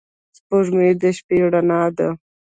سپوږمۍ د شپې رڼا ده